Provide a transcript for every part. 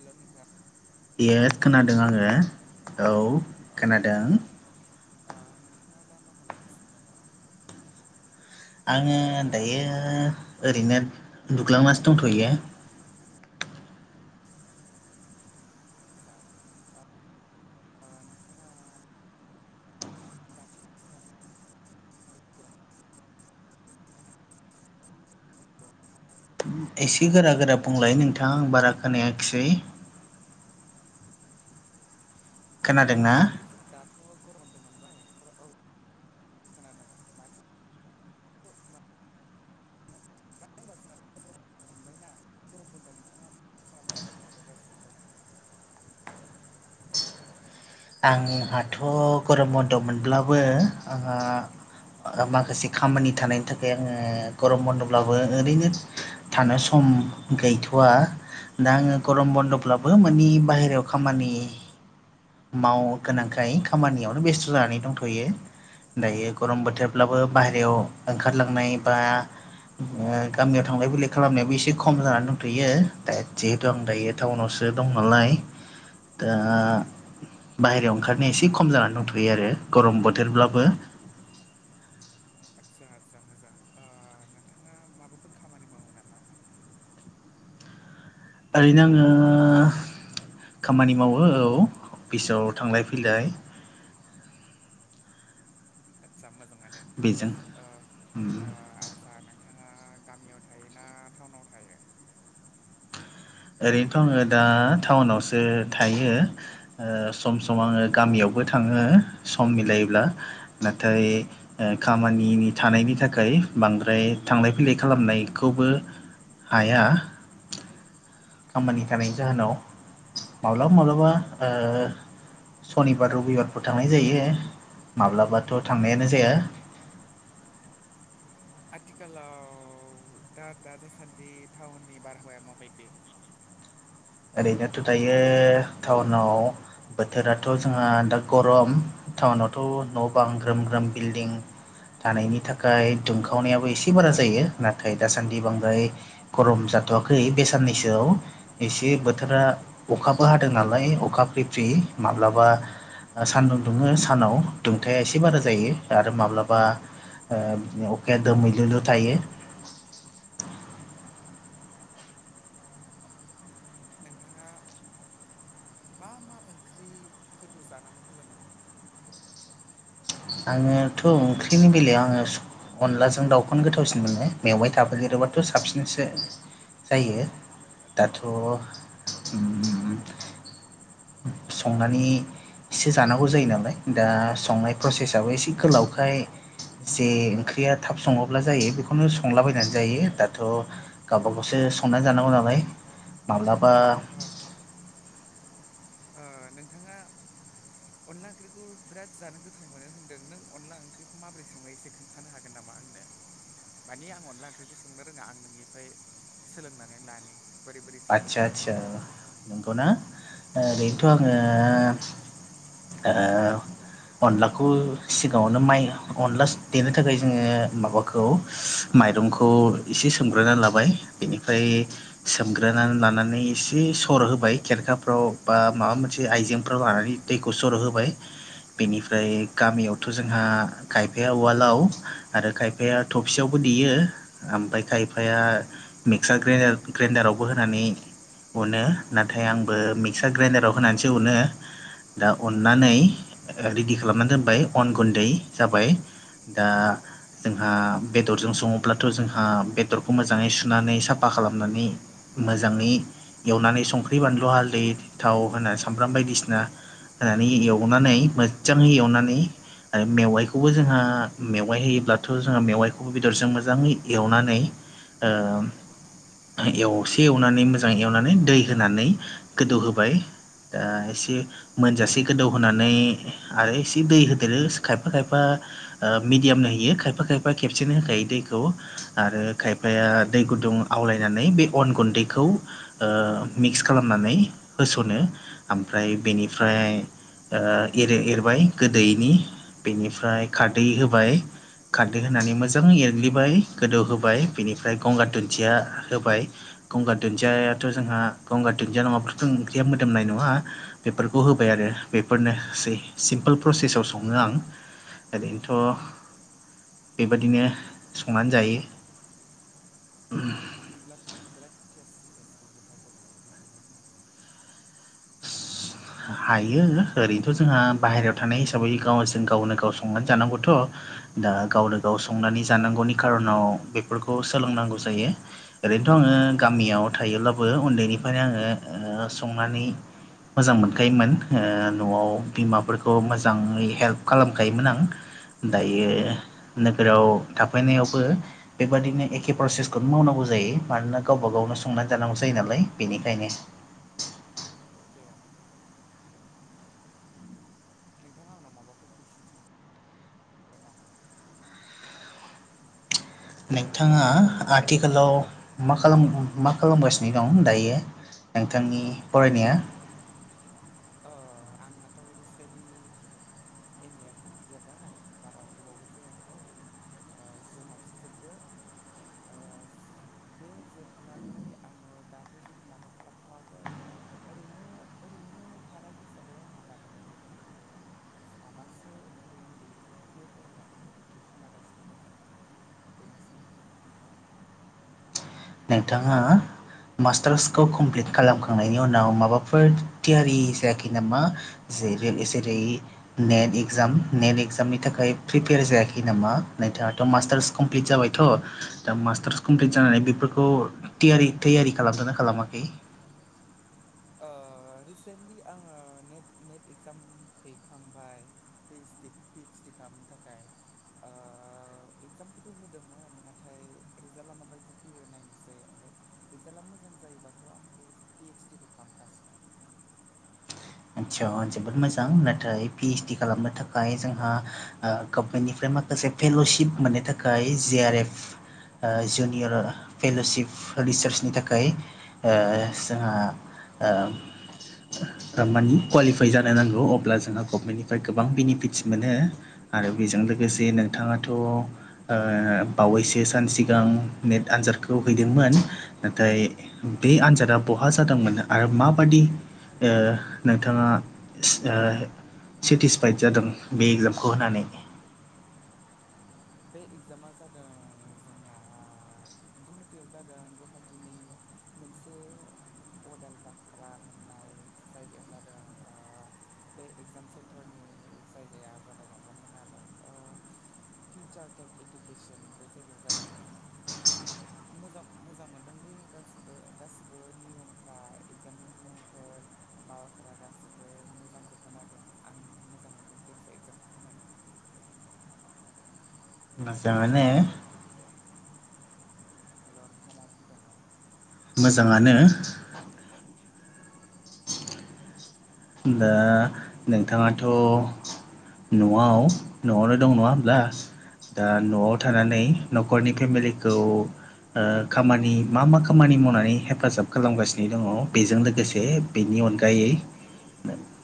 Hello नोंथां। ये खोनादों खोनादोंना आङो औ अ नोंथां खोनादों। ओ नोंथाङा दा मा खालामगासिनो दङ? आङो दायो ओरैनो उन्दुग्लांनानैसो दंथ'यो। आतसा ओ नोंथाङा [unintelligible] [unintelligible] दानि एसे गोरा गोरा बुंलाय नोंथाङा आं बारा खोनायाखिसै। खोनादोंना? जोंहा दाथ' गरम बन्द' मोनबाय औ खोनादों माथो मानो मानो होनोबा गरम बन्द' मोनबायना गरम बन्द'आव नोंथाङा मा खालामनानै टाइम हगारगासिनो दङ? आंहाथ' गरम बन्द' हेल' मोनब्लाबो नोंथां आंहा माखासे खामानि थानायनि थाखाय आङो गरम बन्द'ब्लाबो ओरैनो थानो सम गैथ'वा। दा आङो गरम बन्दब्लाबो मानि बाहेरायाव खामानि माव गोनांखाय खामानियावनो बेस्थ' जानानै दंथ'यो। दायो गरम बोथोरब्लाबो बाहेरायाव ओंखारलांनाय बा गामियाव थांलाय फैलाय खालामनायाबो एसे खम जानानै दंथ'यो दा जे दं दायो टाउनावसो दं नालाय दा बाहेरायाव ओंखारनाया एसे खम जानानै दंथ'यो आरो गरम बोथोरब्लाबो आदसा आदसा मोजां ओ नोंथाङा माबाफोर खामानि मावो नामा ओरैनो आङो खामानि मावो औ अफिसाव थांलाय फैलाय। आतसा मोजाङानो बेजों ओ ओ आतसा नोंथाङा गामियाव थायो ना टाउनाव थायो। ओरैनोथ' आङो दा टाउनावसो थायो। ओ सम सम आङो गामियावबो थाङो सम मिलायोब्ला नाथाय ओ खामानिनि थानायनि थाखाय बांद्राय थांलाय फैलाय खालामनायखौबो हाया खामानि थानायनि जाहोनाव माब्लाबा माब्लाबा ओ सनिबार रबिबारफोर थांनाय जायो माब्लाबाथ' थांनायानो जाया। आथिखालाव दा दा दासान्दि टाउननि बारहावाया माबायदि ओरैनोथ' दायो टाउनाव बोथोराथ' जोंहा दा गरम टाउनावथ' न' बां ग्रोम ग्रोम बिल्डिं थानायनि थाखाय दुंखावनायाबो एसे बारा जायो नाथाय दासान्दि बांद्राय गरम जाथ'वाखै बे साननैसोआव बे बोथोरा अखाबो हादों नालाय अखा फ्रि फ्रि माब्लाबा सान्दुं दुङो सानाव दुंथाया एसे बारा जायो आरो माब्लाबा ओ अखाया दोमैलुल' थायो। नोंथाङा मा मा ओंख्रिफोरखौ जानानै मोजां मोनो? आङोथ' ओंख्रिनि बेलायाव आङो अनलाजों दाउखौनो गोथावसिन मोनो मेवाइ थाफागेरोबाथ' साबसिनसो। जायो आतसा दाथ' अम संनानै एसे जानांगौ जायो नालाय दा संनाय प्रसेसाबबो एसे गोलावखाय जे ओंख्रिया थाब सङोब्ला जायो बेखौनो संलाबायनानै जायो दाथ' गावबा गावसो संनानै जानांगौ नालाय माब्लाबा ओ ओ ओ नोंथाङा अनला ओंख्रिखौ बिराद जानो गोथाव मोनो होन्दों नों अनला ओंख्रिखौ माबोरै खालामो एसे खोनथा नो हागोन नामा आंनो। माने आं अनला ओंख्रिखौ संनो रोङा आं नोंनिफ्राय सोलोंनानै लानि बोरै बोरै सङनो आदसा खिन्थानो आदसा हागोन। अ नंगौना ओरैनोथ' आङो अनलाखौ सिगाङावनो माइ अनला देनो थाखाय जोंङो माबाखौ माइरंखौ एसे सोमग्रोना लाबाय बेनिफ्राय सोमग्रोनानै लानानै एसे सर होबाय खेरखाफ्राव बा माबा मोनसे आइजेंफ्राव लानानै दैखौ सर' होबाय। बेनिफ्राय गामियावथ' जोंहा खायफाया उवालाव आरो खाय फाया थबसेयावबो देयो ओमफ्राय खायफाया मिक्सार ग्रडाराव बो होनानै उनो नाथाय आंबो मिक्सार ग्राइडाराव होनानैसो उनो। दा अननानै रेडि खालामना दोनबाय अन गुन्दै जाबाय। दा जोंहा बेदरजों सङोब्लाथ' जोंहा बेदरखौ मोजाङै सुनानै साफा खालामनानै मोजाङै एवनानै संख्रि बानलु हालदै थाव होना सामब्राम बायदिसिना होनानै एवनानै मोजाङै एवनानै आरो मेवाइखौबो जोंहा मेवाइ होयोब्लाथ' जोंहा मेवाइखौबो बेदरजों मोजाङै एवनानै ओ एव से एवनानै मोजाङ एवनानै दै होनानै गोदौहोबाय ओ एसे मोनजासे गोदौ होनोनानै आरो एसे दै होदेरो खायफा खायफा। ओ मिडियामनो होयो खायफा खायफा खेबसेनो होखायो दैखौ। आरो खायफाया दै गुदुं आवलायनानै बे अन गुन्दैखौ। ओ मिक्स खालामनानै होस'नो ओमफ्राय बेनिफ्राय। ओ एरे एरबाय गोदोयिनि बेनिफ्राय खारदै होबाय। खारदै होनानै मोजां एरग्लिबाय गोदौ होबाय बिनिफ्राय गंगार दुन्दिया होबाय। गंगार दुन्दियाथ' जोंहा गंगार दुन्दिया नङाबाथ' जों ओंख्रिया मोदोमनाय नङा। बेफोरखौ होबाय आरो बेफोरनोसै सिम्पोल प्रसेसाव सङो आं। ओरैनोथ' बेबदिनो संनानै जायो। बिदिब्लाथ' नों बिराद टेस्टि टेस्टि गोथाव गोथाव ओंख्रि संनो रोंगौ हायो ओरैनोथ' जोंहा बाहेरायाव थानाय हिसाबै गाव गावनो गाव संनानै जानांगौथ'। दा गावनो गाव संनानै जानांगौनि खार'नाव बेफोरखौ सोलोंनांगौ जायो। ओरैनोथ' आङो गामियाव थायोब्लाबो उन्दैनिफ्रायनो आङो संनानै मोजां मोन मोनखायोमोन ओ न'आव बिमाफोरखौ मोजाङै हेल्प खालामखायोमोन आं दायो नोगोराव थाफैनायावबो बेबादिनो एखे प्रसेसखौनो मावनांगौ जायो मानोना गावबा गावनो संनानै जानांगौ जायो नालाय बेनिखायनो। अके नोंथाङा आंनाव माबाफोर कुसन सों गोन नामा? नोंथाङा आथिखालाव मा खालाम मा खालामगासिनो दं दायो? नोंथांनि फरायनाया? अ आंनाथ' रिसेनलि एम ए आ कमप्लिट जाबाय बारा गोबावबो जायाखै ओ जुनावसो जोबदों ओ बे जोबनानै आङो दाथ' जेबो माबा खालामथ'वाखै ओरैनो ओरैनो थानाय हिसाबै आङो गामिनि गथ'फोरखौ साबासो उन्दै उन्दै एल पिआव फरायग्राफोरखौ टिउसन लागासिनो दं। बेनोसै नोंथाङा मास्टार्सखौ कमप्लिट खालामखांनायनि उनाव माबाफोर थियारि जायाखै नामा? [unintelligible] नेट इक्जाम नेट इक्जामनि थाखाय प्रिपेयार जायाखै नामा नोंथाङाथ' मास्टार्स कमप्लि जाबायथ' दा मास्टार कमप्लि जानानै बेफोर खौ थियारि थैयारि खालामदोंना खालामाखै? ओ रिसेन्टलि आङो नेट नेट इगजाम हैखांबाय P S D P S D खालामनो थाखाय ओ एक्जामखौथ' होदोंमोन नाथाय रिजाल्टा माबायदि फैयो नायनोसै ओमफ्राय रिजाल्टआ मोजां जायोबाथ' आं पि पि एडस डि खौ खालामखासिगोन आचसा जोबोद मोजां नाथाय पि इदस डि खालामनो थाखाय जोंहा ओ गभमेन्टनिफ्राय माखासे फेल'शिप मोननो थाखाय जि आर एफ ओ जुनियर फेल'सिप रिसार्चनि थाखाय ओ जोंहा ओ थारमानि कुवालिफाइ जानो नांगौ अब्ला जोंहा गभमेन्टनिफ्राय गोबां बेनिफिटस मोनो आरो बेजों लोगोसे नोंथाङाथ' ओ बावैसो सान सिगां नेट आनजादखौ हैदोंमोन नाथाय बे आन्जादा बहा जादोंमोन आरो माबादि ओ नोंथाङा सिओ सेटिसफाइद जादों बे एगजामखौ होनानै? बे एगजामा जादों जोंना गुवाहाटियाव जादों। गुवाहाटिनि मोनसे अदाल बांख्रा होननाय जायगायाव जादों। बे एगजाम सेन्टारनि जायगाया जाबाय माबामोन आरो ओ फिउचार टेक इडुकेसन बे जायगायाव जादोंमोन आरोओ मोजां मोजां मोनदों दि गासि बो गासिबो नियमफ्रा एगजामनि नियमफोर माबाफोरा गासि बो मोजां जोबमोन आरो आं मोजां मोनदों जायखिजाया एगजामखौ होनानै। मोजाङानो। कुइसनफ्राबो हेल' नोंथाङा मा बुंदोंमोन? मोजाङानो। [unintelligible] दा नोंथाङाथ' न'आव न'आवनो दं। नङा होमब्ला? दा न'आव थानानै न'खरनि फेमिलिखौ ओ खामानि मा मा खामानि मावनानै हेफाजाब खालामगासिनो दङ। बेजों लोगोसे बेनि अनगायै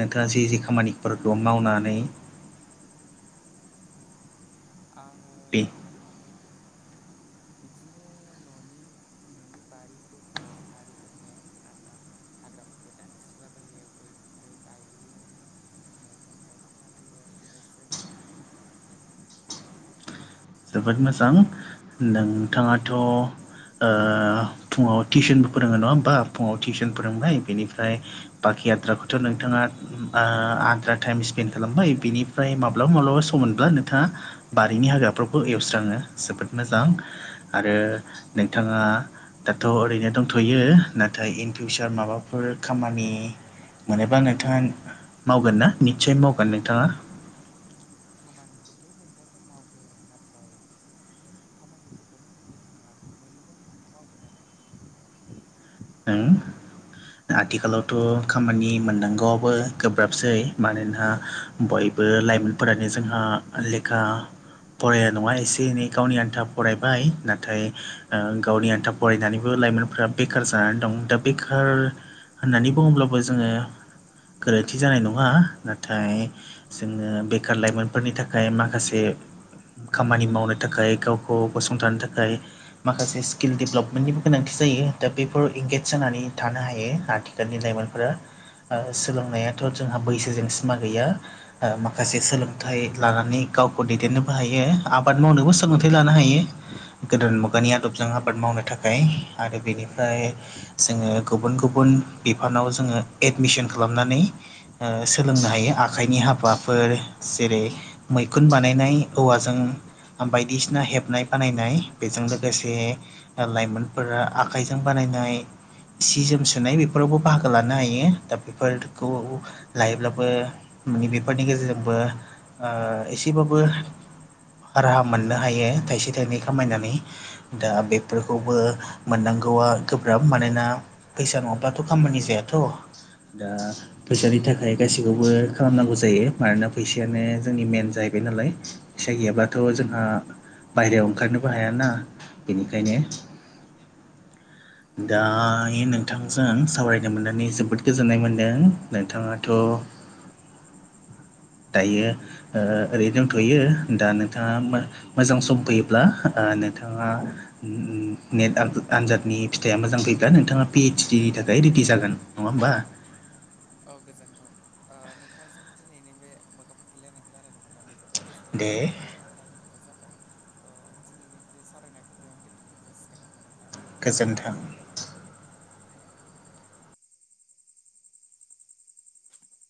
नोंथाङा जे जे खामानिफोरखौ मावनानै। आङो बे [unintelligible] बिदिनो न'नि न'नि बारिफोरखौ। बारिफोरनि हाग्रा हाग्राफोरखौ दानस्रिलाबायो। गय गय गायो मैगं गायो। थालाबायो आरो बिनोसै। जोबोद मोजां। नोंथाङाथ' फुङाव टिउसनबो फोरोङो नङा होमबा फुङाव टिउसन फोरोंबाय। बेनिफ्राय बाखि आद्राखौथ' नोंथाङा आ आद्रा टाइम स्पेन्ड खालामबाय। बिनिफ्राय माब्लाबा माब्लाबा सम मोनब्ला नोंथाङा बारिनि हाग्राफ्रोबो एवस्राङो। जोबोद मोजां। आरो नोंथाङा दाथ' ओरैनो दंथ'यो। नाथाय इन फिउचार माबाफोर खामानि मोनोबा नोंथाङा मावगोन ना निस्सय मावगोन नोंथाङा। खामानिखौथ' मोनबाथ' मावगोन। नाथाय खामानिफोरखौनो मोननो थाङा मोनोबा मावगोन आरो। ओंं। आथिखालावथ' खामानि मोननांगौआबो गोब्राबसै। मानोना बयबो लाइमोनफोरानो जोंहा लेखा फराया नङा एसे एनै गावनि आन्था फरायबाय नाराय ओ गावनि आन्था फरायनानैबो लाइमोनफोरा बेखारसो ओ दं दा बेखार होननानै बुङोब्लाबो जोङो गोरोन्थि जानाय नङा। नाथाय जोङो बेखार लाइमोनफोरनि थाखाय माखासे खामानि मावनो थाखाय गावखौ गसंथानो थाखाय। माखासे स्किल देभलपमेन्टनिबो गोनांथि जायो दा बे फोराव एंगेज जानानै थानो हायो। आथिखालनि लाइमोनफोरा आ सोलोंनायाथ' जोंहा बैसोजों सिमा गैया। ओ माखासे सोलोंथाइ लानानै गावखौ दैदेननोबो हायो। आबाद मावनोबो सोलोंथाइ लानो हायो। गोदान नंगौ मुगानि नोंथां आदबजों नंगौ आबाद मावनो थाखाय। आरो बेनि फ्राय जोङो गुबुन गुबुन बिफानाव जोङो एडमिसन खालामनानै। ओ सोलोंनो हायो। आखाइनि हाबाफोर जेरै- मैखुन बानायनाय औवाजों। बायदिसिना हेबनाय बानायनाय। बेजों लोगोसे लाइमोनफोरा आखाइजों जों बानायनाय सि जोम सुनाय बेफोरावबो बाहागो लानो हायो दा बेफोरखौ लायोब्लाबो माने बेफोरनि गेजेरजोंबो ओ एसेबाबो राहा मोननो हायो थाइसे थाइनै खामायनानै। दा बेफोरखौबो मोननां गौआ गोब्राब मानोना फैसा नङाब्लाथ' खामानि जायाथ' दा फैसानि थाखाय गासैखौबो खालामनांगौ जायो मानोना फैसायानो जोंनि मेन जाहैबाय नालाय। फैसा गैयाब्लााथ' जोंहा बाहेराव ओंखारनोबो हायाना बेनिखायनो ओ दाययो नोंथां नोंथांजों दाथ' सावराय नो मोननानै जोबोद गोजोन्नाय मोन्दों नोंथाङाथ' दायो ओरैनो दंथ'यो दा नोंथाङा ओमबा मोजां सम फैयोब्ला ओ नोंथाङा नेट आन आनजाद नि फिथाया मोजां फैब्ला नोंथाङा पि एइदस डि नि थाखाय रेडि जागोन नङा होमबा? औ गोजोन्थों ओ नोंथांजों दिनैनि बे मोगा मोगि लायनायखौ रायलायनो मोननानै जोबोद गोजोननाय दे मोनदों दाथ' टाइमाबो जाबाय दिनैनि सावरायनायखौ बेयावनो दोनथ'नाय जासिगोन नामा नों थां गोजोन्थों।